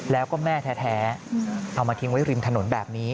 แล้วก็แม่แท้เอามาทิ้งไว้ริมถนนแบบนี้